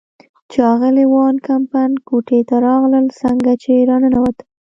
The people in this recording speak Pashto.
چې اغلې وان کمپن کوټې ته راغلل، څنګه چې را ننوتل.